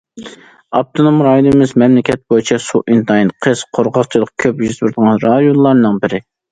ئاپتونوم رايونىمىز مەملىكەت بويىچە سۇ ئىنتايىن قىس، قۇرغاقچىلىق كۆپ يۈز بېرىدىغان رايونلارنىڭ بىرى.